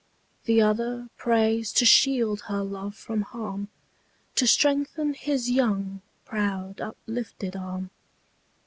The other prays to shield her love from harm, To strengthen his young, proud uplifted arm.